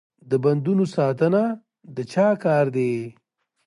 د بندونو ساتنه د چا کار دی؟